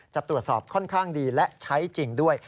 จะตรวจสอบค่อนข้างดีและใช้จริงด้วย